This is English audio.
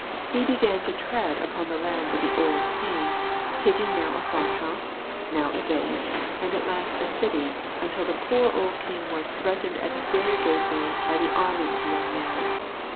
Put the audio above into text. He began to tread upon the lands of the old King, taking now a farmhouse, now a village, and at last a city, until the poor old King was threatened at his very gateway by the army of the young man.